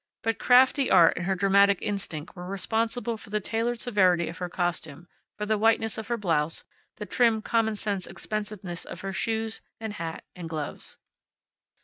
But crafty art and her dramatic instinct were responsible for the tailored severity of her costume, for the whiteness of her blouse, the trim common sense expensiveness of her shoes and hat and gloves.